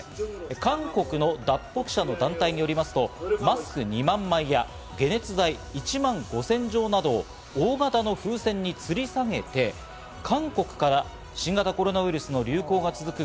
韓国の脱北者の団体によりますと、マスク２万枚や解熱剤１万５０００錠などを大型の風船につり下げて韓国から新型コロナウイルスの流行が続く